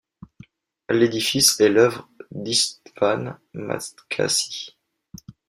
L'édifice est l'œuvre d'István Matskási.